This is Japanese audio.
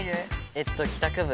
えっと帰宅部。